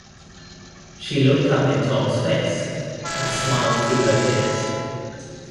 She looked up in Tom’s face, and smiled through her tears.